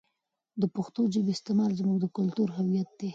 د پښتو ژبې استعمال زموږ د کلتور هویت دی.